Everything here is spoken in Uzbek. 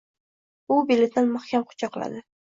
U belidan mahkam quchoqladi.